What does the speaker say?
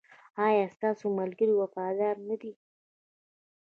ایا ستاسو ملګري وفادار نه دي؟